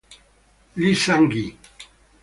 Lee Sang-gi